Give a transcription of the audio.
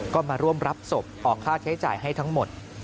ก็มาร่วมรับศพออกค่าใช้จ่ายให้ทั้งหมด